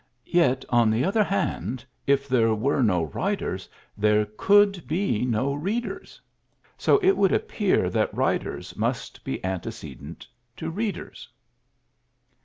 Yet, on the other hand, if there were no writers there could be no readers; so it would appear that writers must be antecedent to readers."